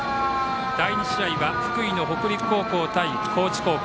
第２試合は福井の北陸高校対高知高校。